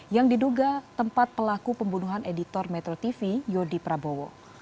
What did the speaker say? yang diduga tempat pelaku pembunuhan editor metro tv yodi prabowo